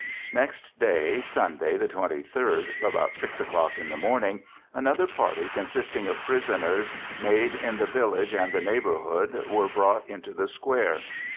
Next day, Sunday, the 23rd, about 6 o'clock in the morning, another party consisting of prisoners made in the village and the neighborhood were brought into the Square.